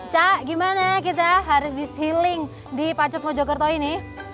cak gimana kita hari this healing di pacet mojokerto ini